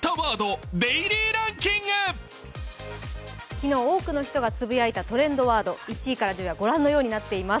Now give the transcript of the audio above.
昨日、多くの人がつぶやいたトレンドワード、１位から１０位は御覧のようになっています。